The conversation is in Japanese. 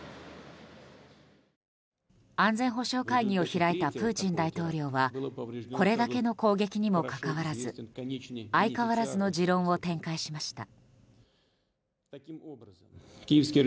安全保障会議を開いたプーチン大統領はこれだけの攻撃にもかかわらず相変わらずの持論を展開しました。